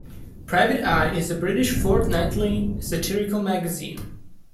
Private Eye is a British fortnightly satirical magazine.